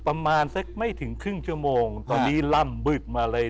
ประมาณสักไม่ถึงครึ่งชั่วโมงตอนนี้ล่ำบึบมาเลย